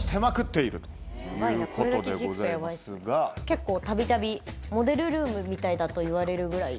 結構たびたびモデルルームみたいだと言われるぐらい。